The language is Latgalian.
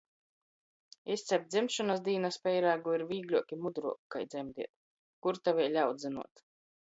Izcept dzimšonys dīnys peirāgu ir vīgļuok i mudruok kai dzemdēt, kur ta vēļ audzynuot.